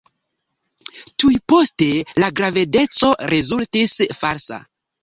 Tuj poste, la gravedeco rezultis falsa.